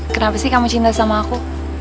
kenapa sih kamu cinta sama aku